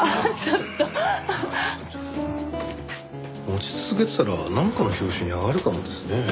持ち続けてたらなんかの拍子に上がるかもですねえ。